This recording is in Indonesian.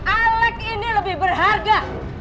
alik ini lebih berharga